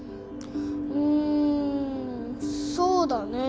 うんそうだね。